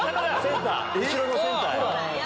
後ろのセンターや！